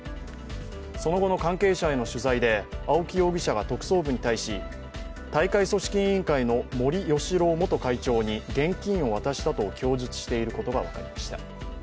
その後の関係者への取材で青木容疑者は特捜部に対し大会組織委員会の森喜朗元会長に現金を渡したと供述していることが分かりました。